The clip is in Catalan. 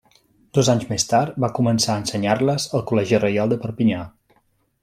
Dos anys més tard va començar a ensenyar-les al Col·legi Reial de Perpinyà.